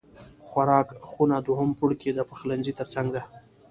خوراک خونه دوهم پوړ کې د پخلنځی تر څنګ ده